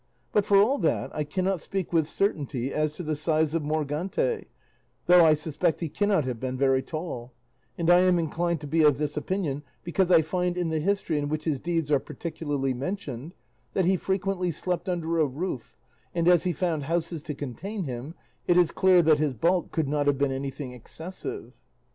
But, for all that, I cannot speak with certainty as to the size of Morgante, though I suspect he cannot have been very tall; and I am inclined to be of this opinion because I find in the history in which his deeds are particularly mentioned, that he frequently slept under a roof and as he found houses to contain him, it is clear that his bulk could not have been anything excessive."